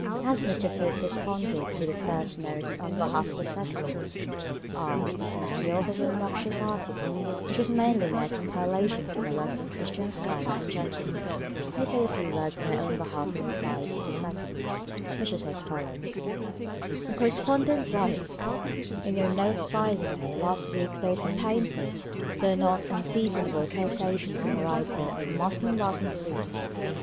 As Mr. Foote responded to the first note on behalf of the Secularist, I, as the author of the obnoxious article, which was mainly mere compilation from the work of a Christian scholar and gentleman, may say a few words on my own behalf in reply to the second, which is as follows:— "A correspondent writes:—In your 'Notes by the Way' last week there is a painful, though not unseasonable, quotation from a writer on 'Muslim Laws and Beliefs.